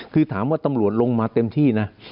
คือถามว่าตำรวจลงมาเต็มที่นะ